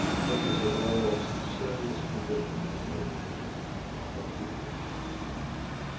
It was the girl's serious condition that worried him, not her future comfort.